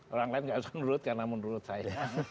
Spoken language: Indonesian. orang lain enggak usah menurut karena menurut saya